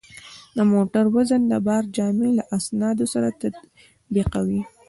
د موټر وزن د بارجامې له اسنادو سره تطبیقاوه.